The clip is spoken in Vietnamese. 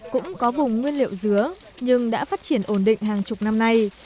cũng có vùng nguyên liệu dứa nhưng đã phát triển ổn định hàng chục năm nay